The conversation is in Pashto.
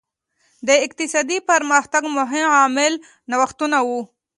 د اقتصادي پرمختګ مهم عامل نوښتونه وو.